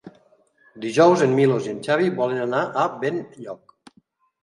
Dijous en Milos i en Xavi volen anar a Benlloc.